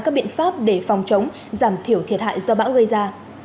các biện pháp để phòng chống giảm thiểu thiệt hại do bão gây ra